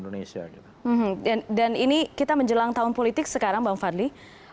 dan ini kita menjelang tahun politik sekarang bang fadli